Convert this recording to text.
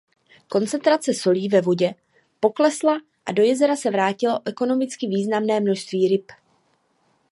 Koncentrace solí ve vodě poklesla a do jezera se vrátilo ekonomicky významné množství ryb.